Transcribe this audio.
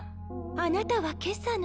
あなたはけさの。